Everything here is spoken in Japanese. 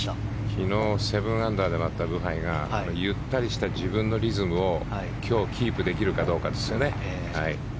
昨日、７アンダーで回ったブハイがゆったりした自分のリズムを今日キープできるかどうかですよね。